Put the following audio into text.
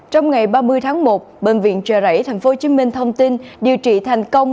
trong ngày ba mươi tháng một bệnh viện trợ rẫy tp hcm thông tin điều trị thành công